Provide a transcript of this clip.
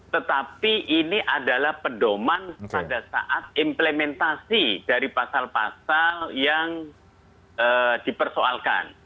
tetapi ini adalah pedoman pada saat implementasi dari pasal pasal yang dipersoalkan